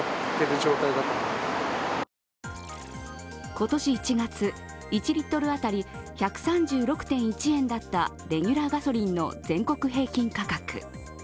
今年１月、１リットル当たり１３６．１円だったレギュラーガソリンの全国平均価格。